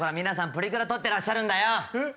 プリクラ撮ってらっしゃるんだえっ